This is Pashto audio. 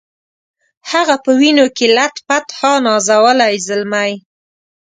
هغه په وینو کي لت پت ها نازولی زلمی